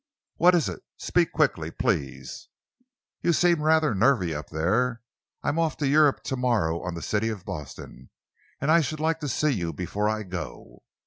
"What is it? Speak quickly, please." "You seem rather nervy up there. I'm off to Europe to morrow on the City of Boston, and I should like to see you before I go."